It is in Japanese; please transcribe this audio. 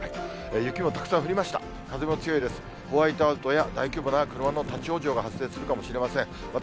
雪もたくさん降りました。